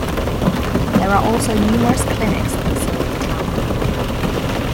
There are also numerous clinics that serve the town.